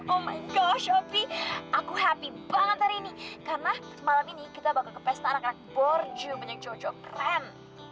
oh my gosh opi aku happy banget hari ini karena malam ini kita bakal ke pesta anak anak borjum banyak jauh jauh keren